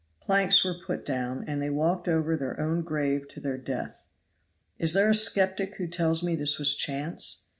Planks were put down, and they walked over their own grave to their death. Is there a skeptic who tells me this was chance?